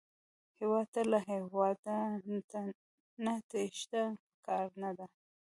هېواد ته له هېواده نه تېښته پکار نه ده